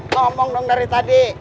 ngomong dong dari tadi